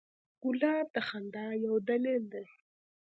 ګلاب د خندا یو دلیل دی.